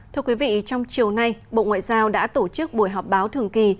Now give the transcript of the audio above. thưa quý vị trong chiều nay bộ ngoại giao đã tổ chức buổi họp báo thường kỳ